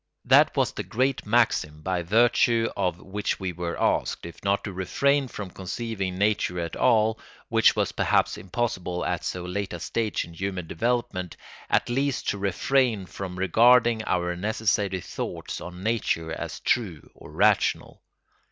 That was the great maxim by virtue of which we were asked, if not to refrain from conceiving nature at all, which was perhaps impossible at so late a stage in human development, at least to refrain from regarding our necessary thoughts on nature as true or rational.